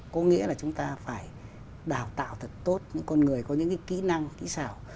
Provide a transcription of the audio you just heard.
có nghĩa là chúng ta phải đào tạo thật tốt những con người có những kỹ năng kỹ xảo